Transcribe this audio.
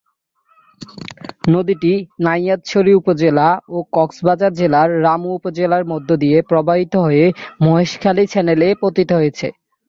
নদীটি নাইক্ষ্যংছড়ি উপজেলা ও কক্সবাজার জেলার রামু উপজেলার মধ্য দিয়ে প্রবাহিত হয়ে মহেশখালী চ্যানেলে পতিত হয়েছে।